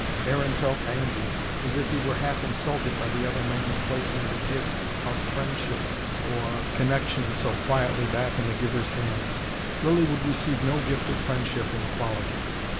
Aaron felt angry, as if he were half insulted by the other man's placing the gift of friendship or connection so quietly back in the giver's hands. Lilly would receive no gift of friendship in equality.